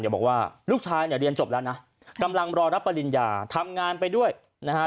บอกว่าลูกชายเนี่ยเรียนจบแล้วนะกำลังรอรับปริญญาทำงานไปด้วยนะฮะ